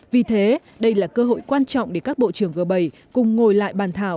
vì thế đây là cơ hội quan trọng để các bộ trưởng g bảy cùng ngồi lại bàn thảo